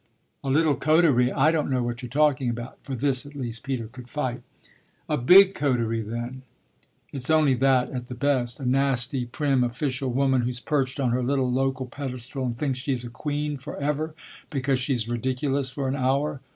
"A little coterie? I don't know what you're talking about!" for this at least Peter could fight. "A big coterie, then! It's only that at the best. A nasty, prim, 'official' woman who's perched on her little local pedestal and thinks she's a queen for ever because she's ridiculous for an hour!